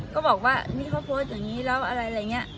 ก็บอกว่านี่เขาโพสต์อยู่นี้แล้วอะไรอะไรเงี้ย